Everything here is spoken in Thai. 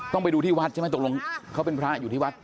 ไปดูที่วัดใช่ไหมตกลงเขาเป็นพระอยู่ที่วัด